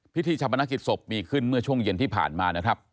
พิธีชาปนกิจศพมีขึ้นเมื่อช่วงเย็นที่ผ่านมานะครับ